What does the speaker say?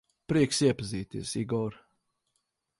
Prieks iepazīties, Igor.